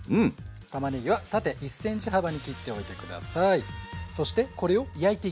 たまねぎは縦１ｃｍ幅に切っておいてください。